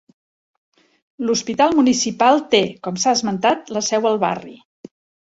L'hospital Municipal té, com s'ha esmentat, la seu al barri.